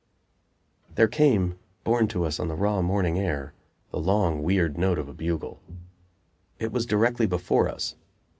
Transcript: There came, borne to us on the raw morning air, the long, weird note of a bugle. It was directly before us.